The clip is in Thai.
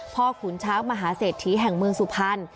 ขุนช้างมหาเศรษฐีแห่งเมืองสุพรรณ